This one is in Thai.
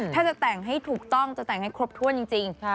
ถ้าจะแต่งให้ถูกต้องจะแต่งให้ครบถ้วนจริง